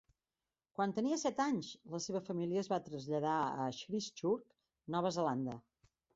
Quan tenia set anys, la seva família es va traslladar a Christchurch, Nova Zelanda.